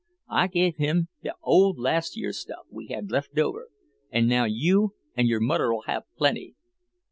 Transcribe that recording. I give him the old last year's stuff we had left over, and now you an' your mudder'll have plenty."